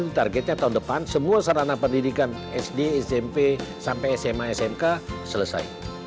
targetnya tahun depan semua sarana pendidikan sd smp sampai sma smk selesai